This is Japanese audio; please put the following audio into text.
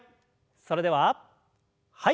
それでははい。